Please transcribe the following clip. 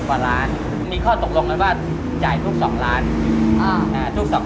ก็มันมียุคหนึ่งนะยุคจากตุนะมะ